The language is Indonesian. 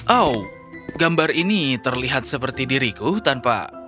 oh gambar ini terlihat seperti diriku tanpa